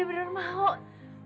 saya benar benar mau